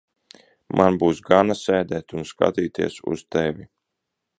Man būs gana sēdēt un skatīties uz tevi.